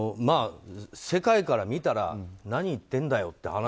世界から見たら何言ってんだよって